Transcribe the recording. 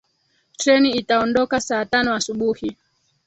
Treni itaondoka saa tano asubuhi.